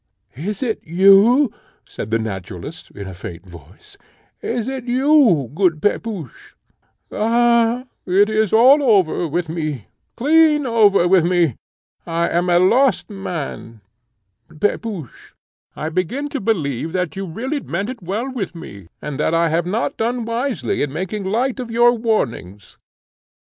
"Is it you?" said the naturalist, in a faint voice "Is it you, good Pepusch? Ah! it is all over with me clean over with me I am a lost man! Pepusch, I begin to believe that you really meant it well with me, and that I have not done wisely in making light of your warnings."